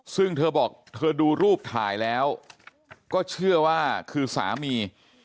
ซึ่งเธอบอกเธอดูรูปถ่ายแล้วก็เชื่อว่าคือสามี